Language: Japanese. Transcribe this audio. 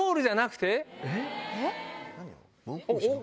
えっ？